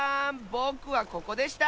ぼくはここでした。